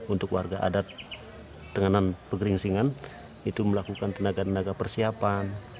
untuk warga adat tenganan pegeringsingan itu melakukan tenaga tenaga persiapan